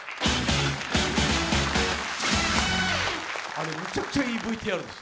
あれめちゃくちゃいいＶＴＲです。